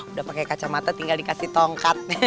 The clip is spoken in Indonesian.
udah pakai kacamata tinggal dikasih tongkat nih